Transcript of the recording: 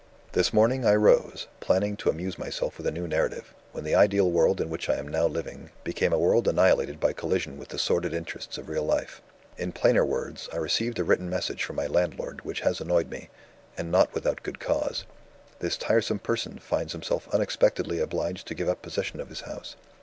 "This morning, I rose, planning to amuse myself with a new narrative, when the ideal world in which I am now living, became a world annihilated by collision with the sordid interests of real life. "In plainer words, I received a written message from my landlord which has annoyed me and not without good cause. This tiresome person finds himself unexpectedly obliged to give up possession of his house.